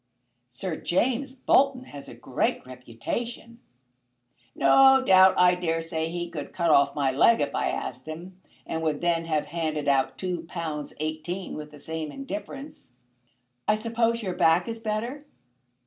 "Sir James Bolton has a great reputation." "No doubt. I daresay he could cut off my leg if I asked him, and would then have handed out two pounds eighteen with the same indifference." "I suppose your back is better?"